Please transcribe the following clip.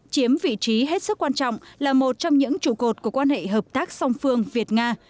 chiếm vị trí hết sức quan trọng là một trong những trụ cột của quan hệ hợp tác song phương việt nga